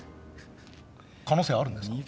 可能性はあるんですか？